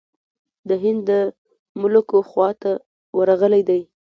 د هند د ملوکو خواته ورغلی دی.